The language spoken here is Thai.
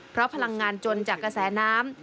เพราะพลังงานจนจากกระแสน้ำ